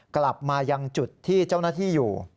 กลับมายังจุดที่เจ้าหน้าที่อยู่